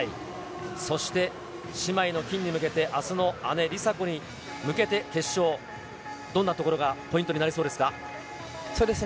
そして姉妹の金に向けて、あすの姉、梨紗子に向けて、決勝、どんなところがポイントになりそうですか。